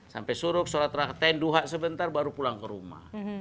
sampai suruh sholat rakaat tenduha sebentar baru pulang ke rumah